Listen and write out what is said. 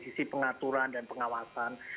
sisi pengaturan dan pengawasan